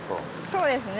そうですね